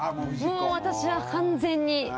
もう私は完全に。